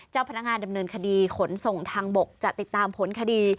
เจ้าพนักงานดำเนินคดีขนส่งทางบกจะติดตามผลคดี